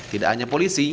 tidak hanya polisi